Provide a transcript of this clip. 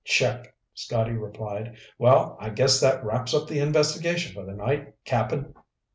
"Check," Scotty replied. "Well, I guess that wraps up the investigation for the night, Cap'n."